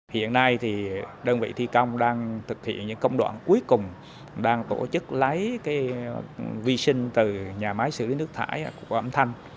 hiện nay thì đơn vị thi công đang thực hiện những công đoạn cuối cùng đang tổ chức lấy vi sinh từ nhà máy xử lý nước thải của âm thanh